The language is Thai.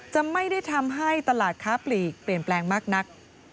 จะไม่ได้ทำให้ตลาดค้าปลีกเปลี่ยนแปลงมากนัก